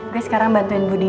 gue sekarang bantuin bu dina